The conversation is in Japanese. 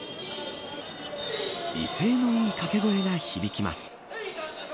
威勢のいい掛け声が響きます。